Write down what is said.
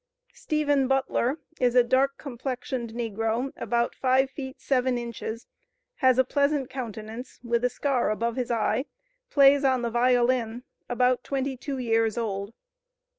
"Stephen Butler is a dark complexioned negro, about five feet seven inches; has a pleasant countenance, with a scar above his eye; plays on the violin; about twenty two years old.